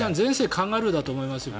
カンガルーだと思いますよ。